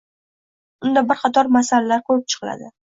Unda bir qator masalalar koʻrib chiqiladi.